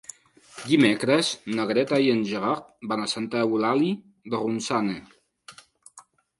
Dimecres na Greta i en Gerard van a Santa Eulàlia de Ronçana.